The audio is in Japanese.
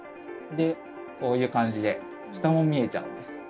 でこういう感じで下も見えちゃうんです。